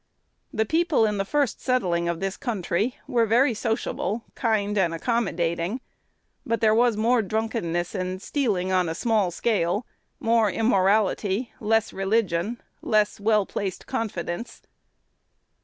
"The people in the first settling of this country were very sociable, kind, and accommodating; but there was more drunkenness and stealing on a small scale, more immorality, less religion, less well placed confidence."